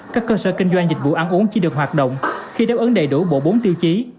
các cơ sở kinh doanh dịch vụ ăn uống chỉ được hoạt động khi đáp ứng đầy đủ bộ bốn tiêu chí